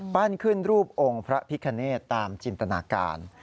ขึ้นรูปองค์พระพิคเนตตามจินตนาการ